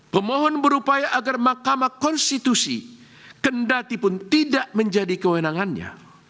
pemohon berupaya agar mahkamah konstitusi kendatipun tidak menjadi kewenangannya